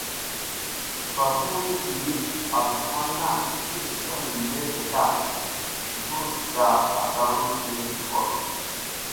Slufavu ti sliwiɗ avu haŋ na i slra mi mezle ta vur da asa ru le slurkoɗ.